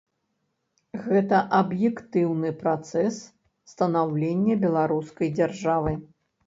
Гэта аб'ектыўны працэс станаўлення беларускай дзяржавы.